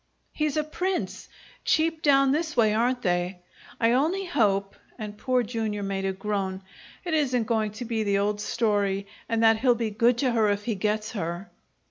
"He's a prince. Cheap down this way; aren't they? I only hope" and Poor Jr. made a groan "it isn't going to be the old story and that he'll be good to her if he gets her."